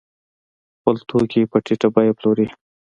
خپل توکي په ټیټه بیه پلوري.